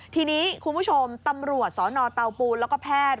ทีนี้คุณผู้ชมตำรวจสนเตาปูนแล้วก็แพทย์